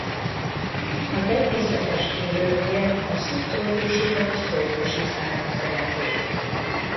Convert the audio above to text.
A természetes élőhelye a szubtrópusi vagy trópusi száraz erdők.